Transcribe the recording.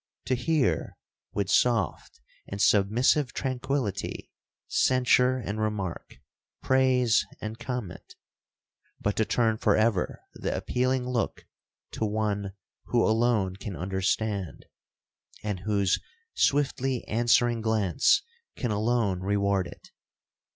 —To hear, with soft and submissive tranquillity, censure and remark, praise and comment, but to turn for ever the appealing look to one who alone can understand, and whose swiftly answering glance can alone reward it!